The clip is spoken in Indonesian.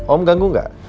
om ganggu gak